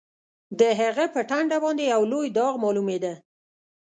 د هغه په ټنډه باندې یو لوی داغ معلومېده